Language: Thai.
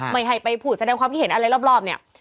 ไม่ให้ไปพูดแสดงความคิดเห็นอะไรรอบเนี่ย